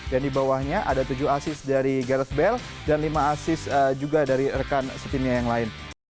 dan di bawahnya ada tujuh asis dari gareth bale dan lima asis juga dari rekan setimnya yang lain